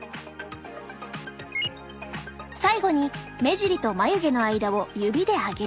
最後に目尻と眉毛の間を指で上げる。